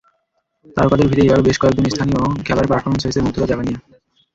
তারকাদের ভিড়ে এবারও বেশ কয়েকজন স্থানীয় খেলোয়াড়ের পারফরম্যান্স হয়েছে মুগ্ধতা জাগানিয়া।